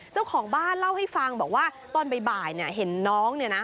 เจ้าของบ้านเล่าให้ฟังบอกว่าตอนบ่ายเนี่ยเห็นน้องเนี่ยนะ